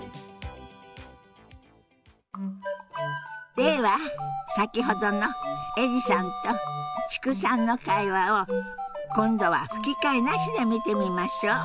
では先ほどのエリさんと知久さんの会話を今度は吹き替えなしで見てみましょう。